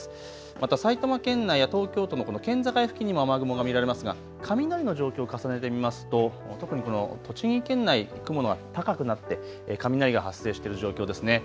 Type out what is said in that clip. また埼玉県内や東京都の県境付近にも雨雲が見られますが雷の状況を重ねてみますと特にこの栃木県内、雲が高くなって雷が発生している状況ですね。